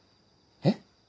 えっ？